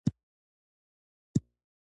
همداسې په نيوکه او وړانديز سره مخ شئ.